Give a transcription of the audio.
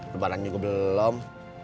kebaran juga belum